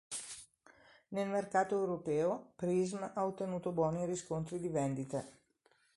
Nel mercato europeo, "Prism" ha ottenuto buoni riscontri di vendite.